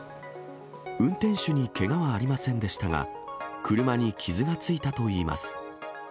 運転手にけがはありませんでしたが、車に傷がついたといいます。